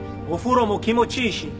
お風呂も気持ちいいし。